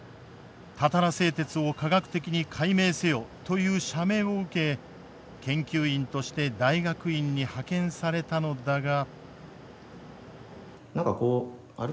たたら製鉄を科学的に解明せよという社命を受け研究員として大学院に派遣されたのだが。